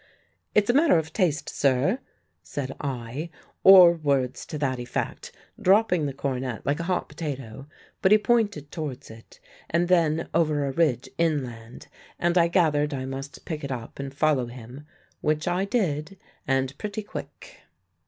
'It's a matter of taste, sir,' said I, or words to that effect, dropping the cornet like a hot potato; but he pointed towards it, and then over a ridge inland, and I gathered I must pick it up and follow him which I did, and pretty quick.